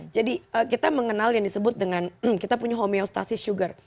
jadi kita mengenal yang disebut dengan kita punya homeostasis sugar